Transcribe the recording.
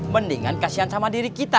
mendingan kasihan sama diri kita